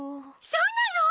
そうなの！？